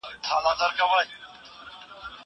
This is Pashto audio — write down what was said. زه اوس سفر کوم.